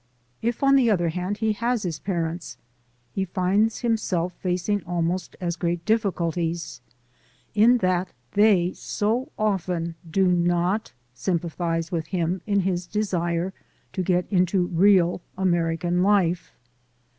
If, on the other hand, he has his parents, he finds himself facing almost |217] 218THE SOUL OF AN IMMIGEANT as great difficulties in that they so often do not sympathize with him in his desire to get into real American life.